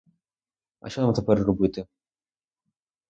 А що нам тепер робити?